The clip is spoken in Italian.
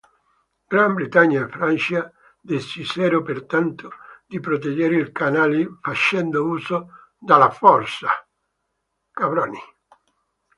Gran Bretagna e Francia decisero pertanto di proteggere il Canale facendo uso della forza.